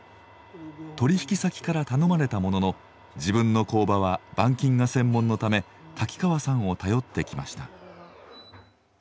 取引先から頼まれたものの自分の工場は板金が専門のため瀧川さんを頼ってきました。